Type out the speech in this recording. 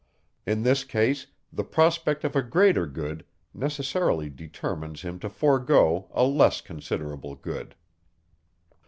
In this case, the prospect of a greater good necessarily determines him to forego a less considerable good.